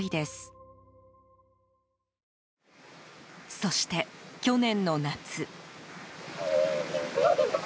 そして、去年の夏。